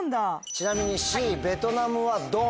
ちなみにＣベトナムはドン。